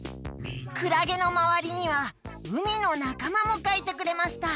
くらげのまわりにはうみのなかまもかいてくれました。